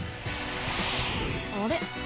あれ？